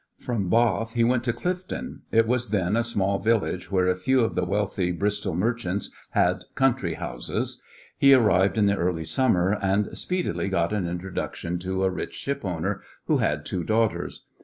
From Bath he went to Clifton. It was then a small village where a few of the wealthy Bristol merchants had country houses. He arrived in the early summer, and speedily got an introduction to a rich shipowner who had two daughters.